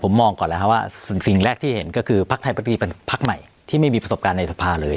ผมมองก่อนแล้วครับว่าสิ่งแรกที่เห็นก็คือพักไทยพักดีเป็นพักใหม่ที่ไม่มีประสบการณ์ในสภาเลย